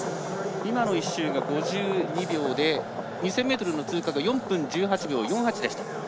今の１周が５２秒で２０００ｍの通過が４分１８秒４８。